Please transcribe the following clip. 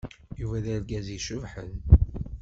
Yuba d argaz icebḥen.